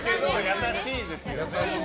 優しいんですよ。